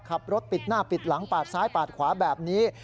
ขับรถปิดหน้าปิดหลังปาดซ้ายปาดขวาแบบนี้